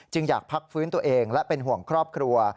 อยากพักฟื้นตัวเองและเป็นห่วงครอบครัว